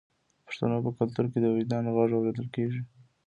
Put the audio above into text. د پښتنو په کلتور کې د وجدان غږ اوریدل کیږي.